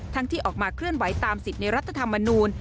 ที่ออกมาเคลื่อนไหวตามสิทธิ์ในรัฐธรรมนูล